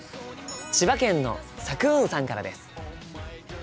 千葉県のさくーんさんからです。